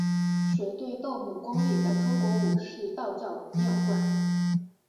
水碓斗母宫里的中国式道教庙观。